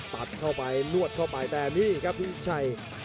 ตัดเข้าไปนวดเข้าไปแต่นี่ครับพี่ชัย